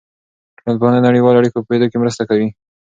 ټولنپوهنه د نړیوالو اړیکو په پوهېدو کې مرسته کوي.